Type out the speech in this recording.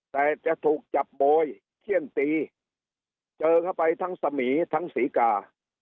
แต่จะถูกจับโบยเขี้ยนตีเจอเข้าไปทั้งสมีทั้งศรีกา